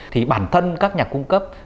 thì bản thân các nhà cung cấp